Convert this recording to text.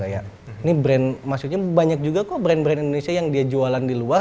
ini brand maksudnya banyak juga kok brand brand indonesia yang dia jualan di luar